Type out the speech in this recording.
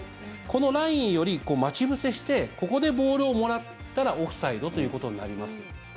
このラインより待ち伏せしてここでボールをもらったらオフサイドということになります。